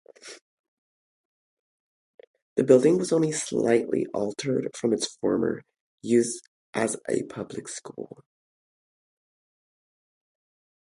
The building was only slightly altered from its former use as a public school.